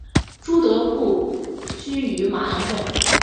朱德故居位于马鞍镇。